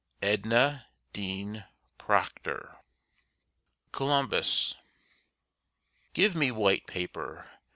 EDNA DEAN PROCTOR. COLUMBUS Give me white paper!